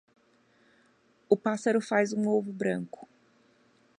O passaro faz um ovo branco.